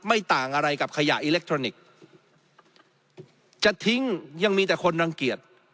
ต่างอะไรกับขยะอิเล็กทรอนิกส์จะทิ้งยังมีแต่คนรังเกียจ